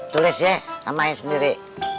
tulis ya namanya sendiri